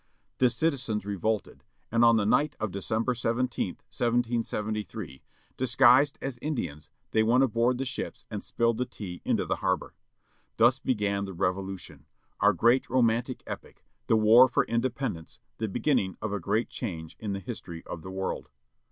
The citizens revolted, and, on the night of December 17, 1773, disguised as In dians, they went aboard the ships and spilled the tea into the harbour. Thus began the Revolution, ovu" great romantic epic, the war for Independence, the beginning of a great change in the history of the world.